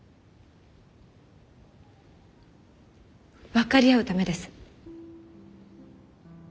分かり合うためです。